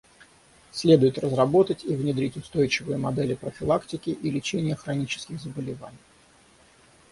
Следует разработать и внедрить устойчивые модели профилактики и лечения хронических заболеваний.